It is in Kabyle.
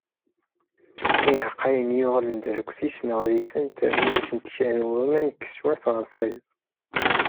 Iεeqqayen i yuγalen d arekti, senγadent-ten, rennunt-asen kra n waman deg teswiεet γer tayeḍ.